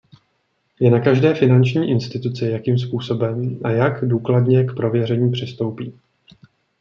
Je na každé finanční instituci jakým způsobem a jak důkladně k prověření přistoupí.